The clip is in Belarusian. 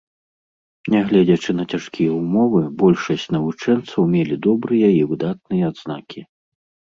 Нягледзячы на цяжкія ўмовы, большасць навучэнцаў мелі добрыя і выдатныя адзнакі.